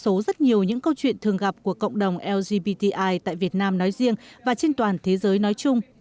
giang đã trải qua rất nhiều những câu chuyện thường gặp của cộng đồng lgbti tại việt nam nói riêng và trên toàn thế giới nói chung